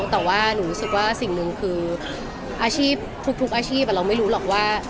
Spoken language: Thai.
แต่ว่าหนูรู้สึกว่าสิ่งหนึ่งคืออาชีพทุกอาชีพเราไม่รู้หรอกว่า